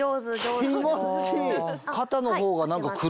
気持ちいい！